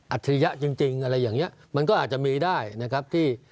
อัธิริยะจริงจริงอะไรอย่างเงี้ยมันก็อาจจะมีได้นะครับที่